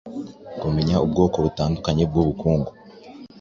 Kumenya ubwoko butandukanye bw’inkuru.